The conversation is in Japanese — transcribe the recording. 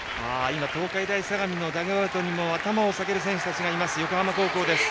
今、東海大相模のダグアウトにも頭を下げる選手たちがいます。